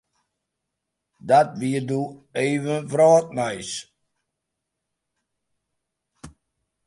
Dat wie doe even wrâldnijs.